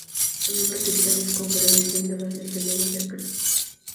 Su nombre oficial es Congregación de los Legionarios de Cristo.